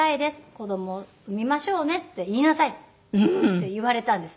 子供を産みましょうねって言いなさい」って言われたんです。